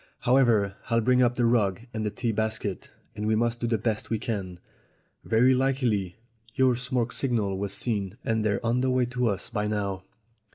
"However, I'll bring up the rug and the tea basket, and we must do the best we can. Very likely your smoke signal was seen, and they're on the way to us by now."